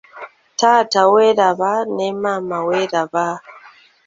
Taata weeraba ne maama weeraba.